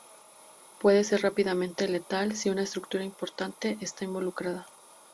Puede ser rápidamente letal si una estructura importante está involucrada.